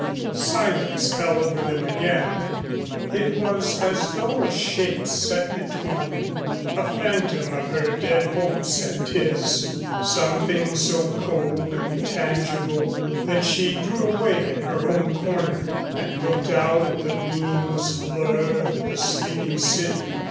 Silence fell over them again. It was as though a shape sat between, a phantom of her dead hopes and his, something so cold and tangible that she drew away in her own corner and looked out at the meaningless blur of the sleeping city.